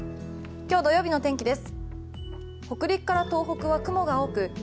明日日曜日の天気です。